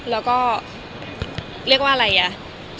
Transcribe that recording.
แล้วก็เรียกว่าอะไรอ่ะ